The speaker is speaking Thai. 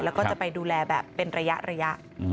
แล้วก็จะไปดูแลแบบเป็นระยะ